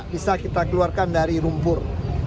sisa kita keluarkan dari rumpur